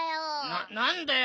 ななんだよ。